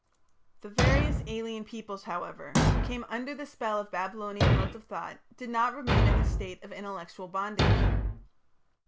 The various alien peoples, however, who came under the spell of Babylonian modes of thought did not remain in a state of intellectual bondage.